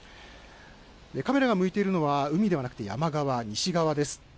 カメラが向いているのは海ではなく、山側、西側です。